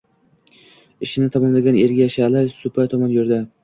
Ishini tamomlagan Ergashali supa tomon yurdi.